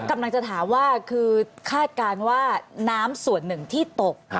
กำลังจะถามว่าคือคาดการณ์ว่าน้ำส่วนหนึ่งที่ตก